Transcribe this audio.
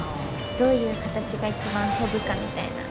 どういう形が一番飛ぶかみたいな。